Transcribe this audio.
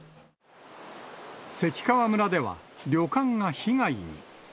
関川村では、旅館が被害に。